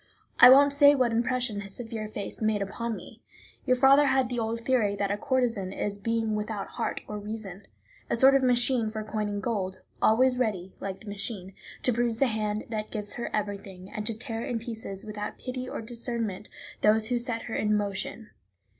I won't say what impression his severe face made upon me. Your father had the old theory that a courtesan is a being without heart or reason, a sort of machine for coining gold, always ready, like the machine, to bruise the hand that gives her everything, and to tear in pieces, without pity or discernment, those who set her in motion.